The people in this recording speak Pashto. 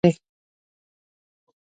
ښتې د افغانستان د طبیعي پدیدو یو رنګ دی.